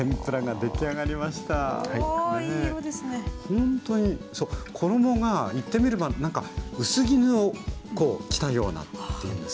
ほんとにそう衣が言ってみれば薄衣を着たようなっていうんですか。